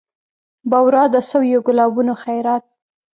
بورا د سویو ګلابونو خیرات